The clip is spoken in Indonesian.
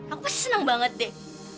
aku pasti seneng banget deh